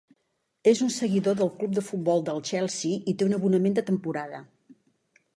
És un seguidor del club de futbol del Chelsea i té un abonament de temporada.